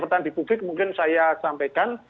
pertanyaan di publik mungkin saya sampaikan